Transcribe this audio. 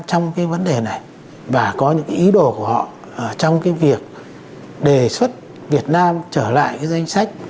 trong vấn đề này và có những ý đồ của họ trong việc đề xuất việt nam trở lại danh sách